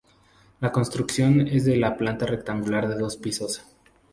La construcción es de planta rectangular y dos pisos.